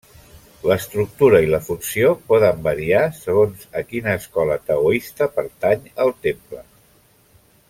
L'estructura i la funció poden variar segons a quina escola taoista pertanyi el temple.